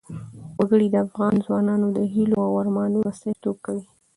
وګړي د افغان ځوانانو د هیلو او ارمانونو استازیتوب کوي.